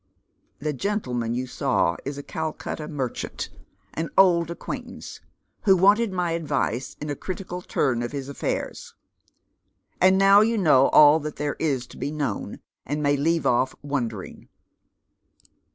"The gentleman you saw is a Calcutta merchant, an old acquaintance, who wanted my advice in a critical turn of his ail'airs. And now you know all that there is to be known, and may leave off wondering."